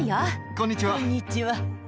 こんにちは。